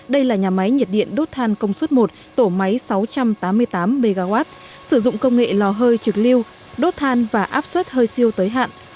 đây là nhà máy nhiệt điện đốt than công suất một tổ máy sáu trăm tám mươi tám mw sử dụng công nghệ lò hơi trực lưu đốt than và áp suất hơi siêu tới hạn